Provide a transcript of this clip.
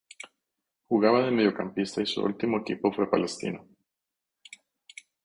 Jugaba de mediocampista y su último equipo fue Palestino.